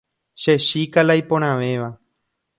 Che chíka la iporãvéva.